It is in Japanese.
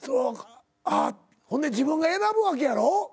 ほんで自分が選ぶわけやろ？